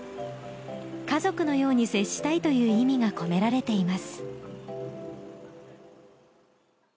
家族のように接したいという意味が込められています。